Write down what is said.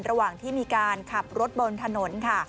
ระหว่างที่มีการขับรถบนถนนค่ะ